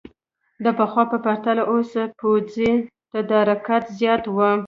د پخوا په پرتله اوس پوځي تدارکات زیات وو.